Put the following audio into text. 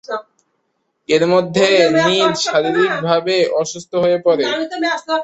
এরমধ্যে নীল শারীরিকভাবে অসুস্থ হয়ে পড়ে।